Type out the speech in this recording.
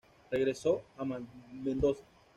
Regresó a Mendoza.